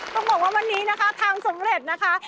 ต้องบอกว่าวันนี้นะคะทำสำเร็จนะคะ